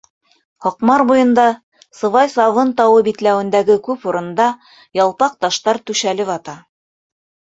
Һаҡмар буйында Сыбай сабын тауы битләүендәге күп урында ялпаҡ таштар түшәлеп ята.